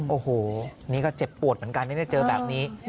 โอ้โหนี่ก็เจ็บปวดเหมือนกันนี่เจอแบบนี้